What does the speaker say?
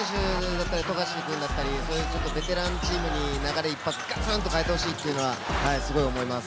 比江島選手だったり、富樫くんだったり、ベテランチームに流れを一発ガツンと変えて欲しいっていうのは思います。